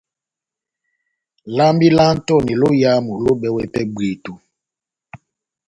Lambi lá Antoni lóyamu lohibɛwɛ pɛhɛ bwíto.